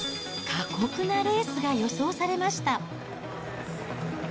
過酷なレースが予想されました。